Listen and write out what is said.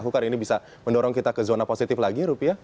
bukan ini bisa mendorong kita ke zona positif lagi rupiah